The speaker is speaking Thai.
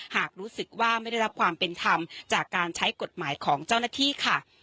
หากรู้สึกว่าไม่ได้รับความเป็นธรรมจากการใช้กฎหมายของเจ้าหน้าที่ค่ะ